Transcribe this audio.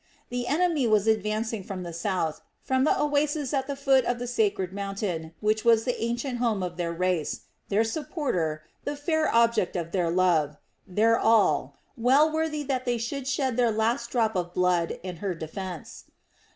The enemy was advancing from the south, from the oasis at the foot of the sacred mountain, which was the ancient home of their race, their supporter, the fair object of their love, their all, well worthy that they should shed their last drop of blood in her defence.